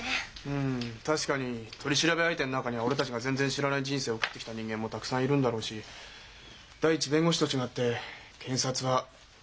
うん確かに取り調べ相手の中には俺たちが全然知らない人生を送ってきた人間もたくさんいるんだろうし第一弁護士と違って検察は犯罪を暴くんだからなあ。